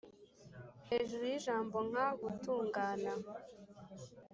hejuru y'ijambo nka "gutungana,"